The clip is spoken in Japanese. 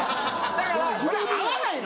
だから合わないの。